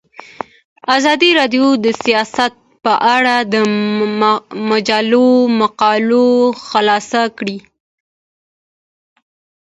ازادي راډیو د سیاست په اړه د مجلو مقالو خلاصه کړې.